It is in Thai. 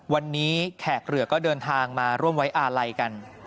วันนี้แขกเรือก็เดินทางมาร่วมไว้อาลัยกัน